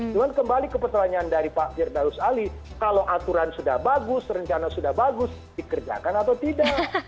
cuma kembali ke pertanyaan dari pak firdaus ali kalau aturan sudah bagus rencana sudah bagus dikerjakan atau tidak